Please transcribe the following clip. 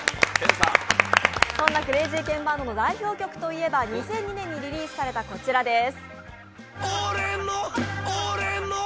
そんなクレイジーケンバンドの代表曲といえば２００２年にリリースされたこちらです。